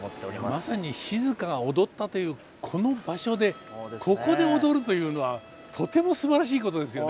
まさに静が踊ったというこの場所でここで踊るというのはとてもすばらしいことですよね。